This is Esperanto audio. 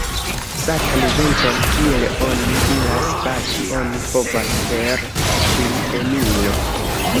Satan ventron, kiel oni diras, bati oni povas per hakiltenilo.